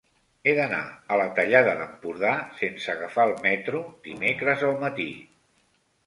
He d'anar a la Tallada d'Empordà sense agafar el metro dimecres al matí.